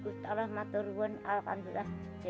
ini adalah orang yang sangat berharga